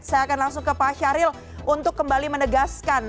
saya akan langsung ke pak syahril untuk kembali menegaskan